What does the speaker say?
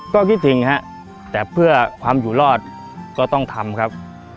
ก็คิดถึงฮะแต่เพื่อความอยู่รอดก็ต้องทำครับ